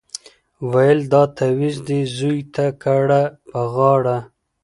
ویل دا تعویذ دي زوی ته کړه په غاړه